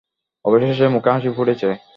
অবশেষে মুখে হাসি ফুটেছে।